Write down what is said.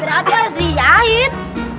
berapa di jahit